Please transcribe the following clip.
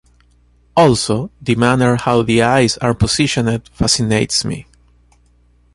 Also the manner how the eyes are positioned fascinates me.